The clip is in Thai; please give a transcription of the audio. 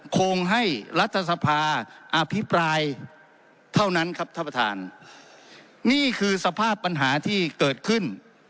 คงให้รัฐสภาอภิปรายเท่านั้นครับท่านประธานนี่คือสภาพปัญหาที่เกิดขึ้น